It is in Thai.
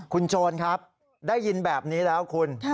คุณโจรครับได้ยินแบบนี้แล้วคุณ